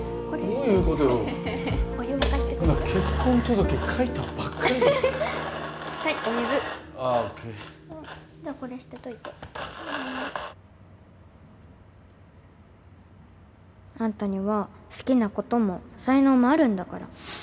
これ捨てといてあんたには好きなことも才能もあるんだから